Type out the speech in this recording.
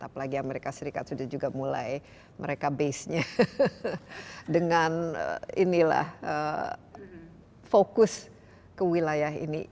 apalagi amerika serikat sudah juga mulai mereka base nya dengan fokus ke wilayah ini